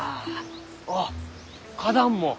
あっ花壇も。